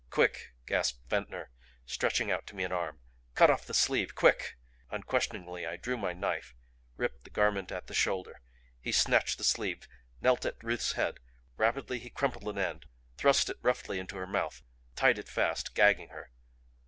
"Quick!" gasped Ventnor, stretching out to me an arm. "Cut off the sleeve. Quick!" Unquestioningly, I drew my knife, ripped the garment at the shoulder. He snatched the sleeve, knelt at Ruth's head; rapidly he crumpled an end, thrust it roughly into her mouth; tied it fast, gagging her.